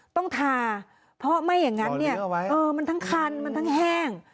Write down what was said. ต้องทาเพราะไม่อย่างนั้นเนี่ยมันทั้งคันมันทั้งแห้ง